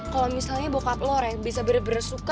kalau misalnya bapak lo bisa beresuka